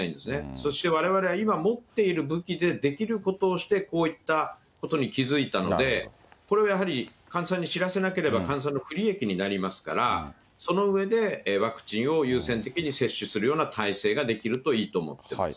そして、われわれは今持っている武器でできることをして、こういったことに気付いたので、これをやはり患者さんに知らせなければ、患者さんの不利益になりますから、その上で、ワクチンを優先的に接種するような体制が出来るといいと思っています。